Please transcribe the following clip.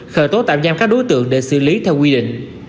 khởi tố tạm giam các đối tượng để xử lý theo quy định